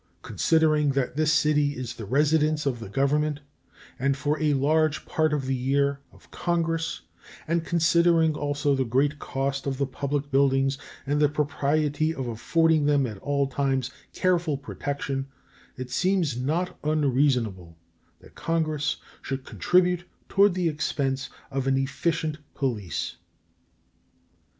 Considering that this city is the residence of the Government and for a large part of the year of Congress, and considering also the great cost of the public buildings and the propriety of affording them at all times careful protection, it seems not unreasonable that Congress should contribute toward the expense of an efficient police.